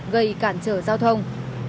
gây cản trở giao thông